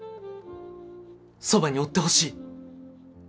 そばにおってほしい。